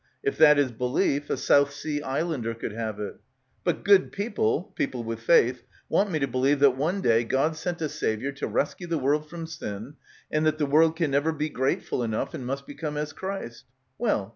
If that is belief, a South Sea Islander could have it. But good people, people with faith, want me to believe that one day God sent a saviour to rescue the world from sin and that the world can never be grateful enough and must become as Christ. Well.